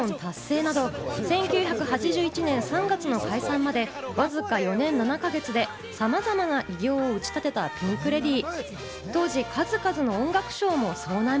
ピンク・レディーのお２人、１０曲連続ミリオン達成など１９８１年３月の解散まで、わずか４年７か月でさまざまな偉業を打ち立てたピンク・レディー。